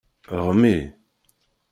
Ɣmi.